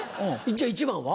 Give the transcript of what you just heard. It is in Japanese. じゃ１番は？